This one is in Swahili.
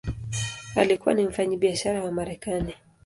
Alikuwa ni mfanyabiashara wa Marekani.